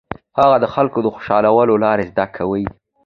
هغه د خلکو د خوشالولو لارې زده کوي.